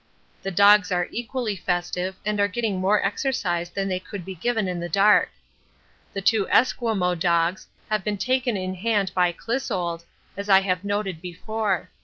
The dogs are equally festive and are getting more exercise than could be given in the dark. The two Esquimaux dogs have been taken in hand by Clissold, as I have noted before.